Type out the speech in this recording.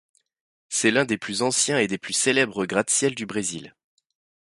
C'est l'un des plus anciens et des plus célèbres gratte-ciel du Brésil.